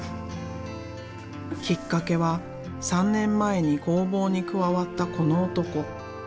きっかけは３年前に工房に加わったこの男。